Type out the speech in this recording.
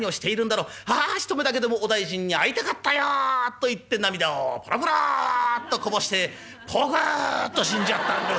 ああ一目だけでもお大尽に会いたかったよ！』と言って涙をポロポロっとこぼしてポクっと死んじゃったんです。